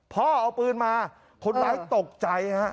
พ่อเอาปืนมาคนร้ายตกใจฮะ